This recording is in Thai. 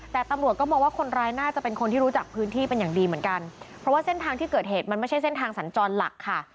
แต่ตำรวจก็มองว่าคนร้ายน่าจะเป็นคนที่รู้จักพื้นที่เป็นอย่างดีเหมือนกันเพราะว่าเส้นทางที่เกิดเหตุมันไม่ใช่เส้นทางสัญจรหลักค่ะ